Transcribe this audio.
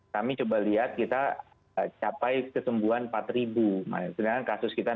kami coba lihat kita capai kesembuhan empat sedangkan kasus kita enam sembilan ratus